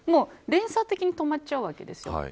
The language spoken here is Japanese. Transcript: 連鎖的に止まっちゃうわけです。